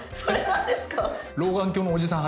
老眼鏡のおじさん